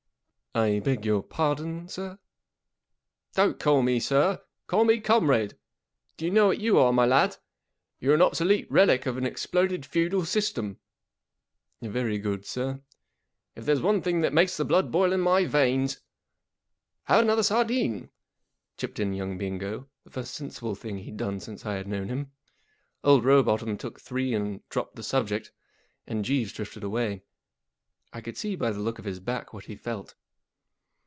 " I beg your pardon, sir ? J1 ' Don't call me ' sir Call me Comrade. Do you know what you are, my lad ? You're an obsolete relic of an exploded feudal system/ 1 II Very good, sir/ 1 i4 If there's one thing that makes the blood boil in my veins— 11 Have anotbeij ^ardine/' chipped in young UNIVERSITY OF MICHIGAN 400 Comrade Bingo Bingo—the first sensible thing he'd done since I had known him. Old Rowbotham took three and dropped the subject, and Jeeves drifted away. I could see by the look of his back what he felt.